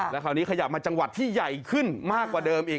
แล้วคราวนี้ขยับมาจังหวัดที่ใหญ่ขึ้นมากกว่าเดิมอีก